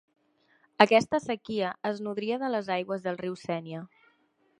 Aquesta séquia es nodria de les aigües del riu Sénia.